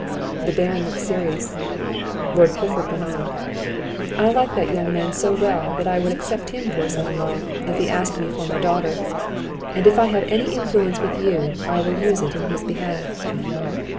The Baron looked serious; Lord Clifford went on: "I like that young man so well, that I would accept him for a son in law, if he asked me for my daughter; and if I have any influence with you, I will use it in his behalf."